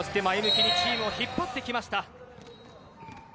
前向きにチームを引っ張ってきました。